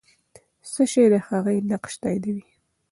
څه شی د هغې نقش تاییدوي؟